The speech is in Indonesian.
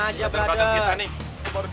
kalo baru dateng sih